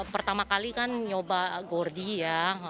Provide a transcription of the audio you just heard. pertama kali kan nyoba gordi ya